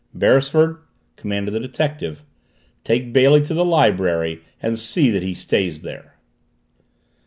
"Beresford," commanded the detective, "take Bailey to the library and see that he stays there."